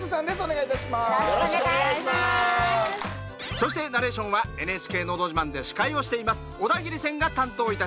そしてナレーションは「ＮＨＫのど自慢」で司会をしています小田切千が担当いたします。